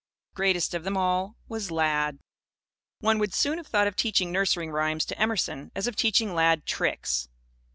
Greatest of them all was Lad. One would as soon have thought of teaching nursery rhymes to Emerson as of teaching Lad "tricks."